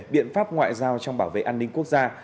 biện pháp ngoại giao trong bảo vệ an ninh quốc gia